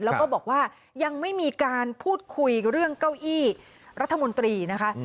แล้วก็บอกว่ายังไม่มีการพูดคุยเรื่องเก้าอี้รัฐมนตรีนะคะ